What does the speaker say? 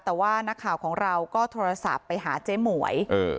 แต่ว่านักข่าวของเราก็โทรศัพท์ไปหาเจ๊หมวย